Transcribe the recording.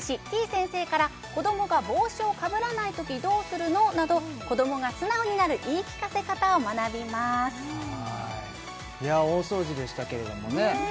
先生から子どもが帽子をかぶらないときどうするの？など子どもが素直になる言い聞かせ方を学びます大掃除でしたけれどもね